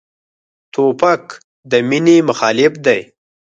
توپک د مینې مخالف دی.